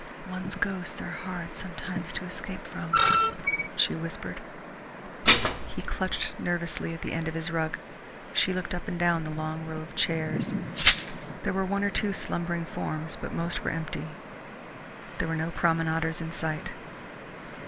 "One's ghosts are hard sometimes to escape from," she whispered. He clutched nervously at the end of his rug. She looked up and down along the row of chairs. There were one or two slumbering forms, but most were empty. There were no promenaders in sight.